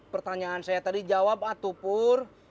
pertanyaan saya tadi jawab atuh pur